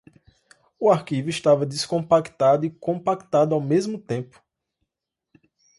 O arquivo estava descompactado e compactado ao mesmo tempo